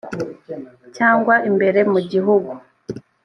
cyangwa imbere mu gihugu